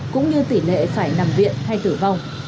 cũng như tỷ lệ phải nằm viện hay tử vong